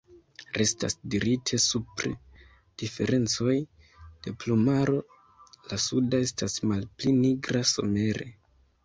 Restas dirite supre diferencoj de plumaro: la suda estas malpli nigra somere.